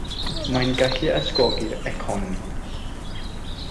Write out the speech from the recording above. Mae'n gallu ysgogi'r economi.